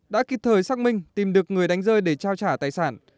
đã kịp thời xác minh tìm được người đánh rơi để trao trả tài sản